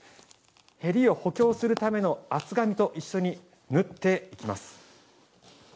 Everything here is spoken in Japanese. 縁を補強するための厚紙と一緒に縫っていきます。